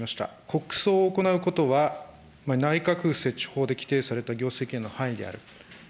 国葬を行うことは、内閣設置法で規定された業績への範囲である。